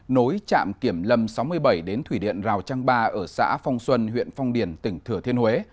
nối trạm kiểm lâm sáu mươi bảy đến thủy điện rào trăng ba ở xã phong xuân huyện phong điền tỉnh thừa thiên huế